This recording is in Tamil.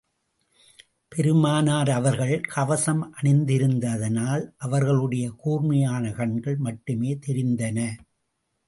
பெருமானார் அவர்கள் கவசம் அணிந்திருந்ததினால், அவர்களுடைய கூர்மையான கண்கள் மட்டுமே தெரிந்தன.